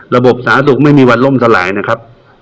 ระบบสาธารณสุขไม่มีวันล่มสลายนะครับ